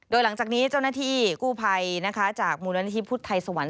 โดยหลังจากนี้เจ้าหน้าที่กู้ภัยนะคะจากมูลนิธิพุทธไทยสวรรค